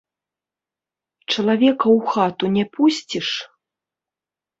Чалавека ў хату не пусціш?